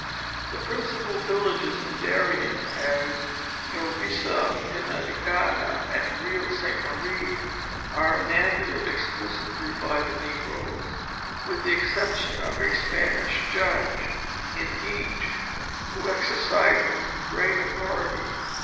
The principal villages in Darien, as Yovisa, Pinagana and Real de St. Marie, are inhabited exclusively by the negroes, with the exception of a Spanish judge in each, who exercises great authority.